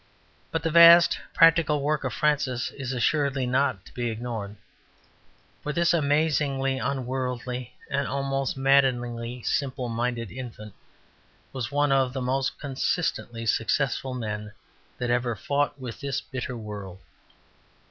But the vast practical work of Francis is assuredly not to be ignored, for this amazingly unworldly and almost maddeningly simple minded infant was one of the most consistently successful men that ever fought with this bitter world.